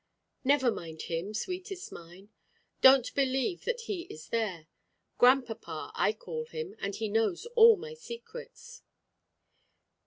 "Never mind him, sweetest mine. Don't believe that he is there. Grandpapa, I call him, and he knows all my secrets."